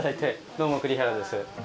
どうも栗原です。